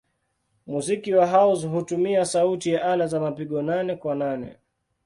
Muziki wa house hutumia sauti ya ala za mapigo nane-kwa-nane.